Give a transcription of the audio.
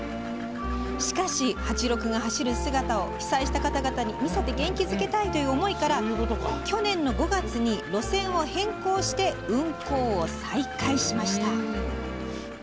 しかし、ハチロクが走る姿を被災した方々に見せて元気づけたいという思いから去年の５月に路線を変更して運行を再開しました。